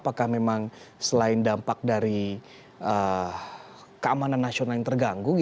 apakah memang selain dampak dari keamanan nasional yang terganggu